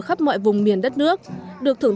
khắp mọi vùng miền đất nước được thưởng